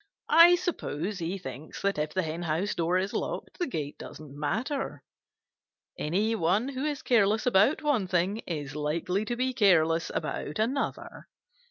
I suppose he thinks that if the henhouse door is locked, the gate doesn't matter. Any one who is careless about one thing, is likely to be careless about another.